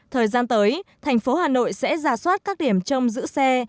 thời gian tới thành phố hà nội sẽ ra soát các điểm trong giữ xe